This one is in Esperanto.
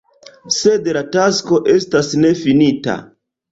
Sed la tasko estas nefinita.